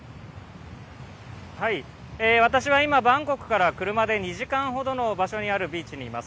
私は今、バンコクから車で２時間ほどの場所にあるビーチにいます。